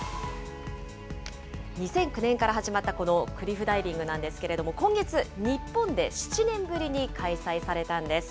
２００９年から始まったこのクリフダイビングなんですけれども、今月、日本で７年ぶりに開催されたんです。